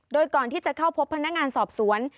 โดยก่อนที่จะเข้าพบพนักงานสอบสวน